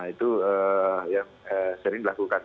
itu sering dilakukan